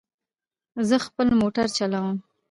زه خپل موټر چلوم